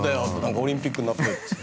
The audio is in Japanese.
オリンピックになってって。